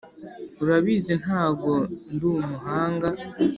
Urabizi ntago ndi umuhanga